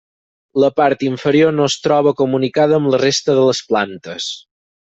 La part inferior no es troba comunicada amb la resta de les plantes.